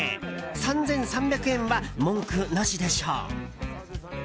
３３００円は文句なしでしょう。